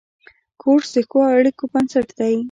کورس د ښو اړیکو بنسټ دی.